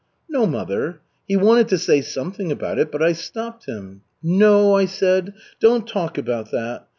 "No, mother. He wanted to say something about it, but I stopped him. 'No,' I said, 'don't talk about that!